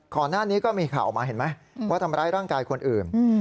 ก่อนหน้านี้ก็มีข่าวออกมาเห็นไหมว่าทำร้ายร่างกายคนอื่น